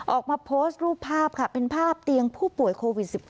ออกมาโพสต์รูปภาพค่ะเป็นภาพเตียงผู้ป่วยโควิด๑๙